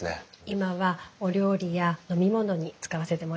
今はお料理や飲み物に使わせてもらってます。